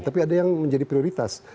tapi ada yang menjadi prioritas